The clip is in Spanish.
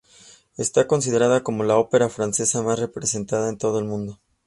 Está considerada como la ópera francesa más representada en todo el mundo.